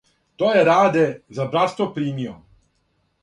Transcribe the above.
То је Раде за братство примио,